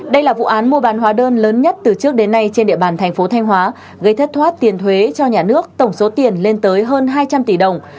đây là vụ án mua bán hóa đơn lớn nhất từ trước đến nay trên địa bàn thành phố thanh hóa gây thất thoát tiền thuế cho nhà nước tổng số tiền lên tới hơn hai trăm linh tỷ đồng